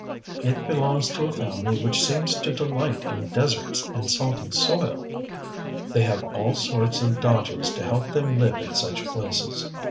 It belongs to a family which seems to delight in deserts and salty soil! They have all sorts of dodges to help them live in such places.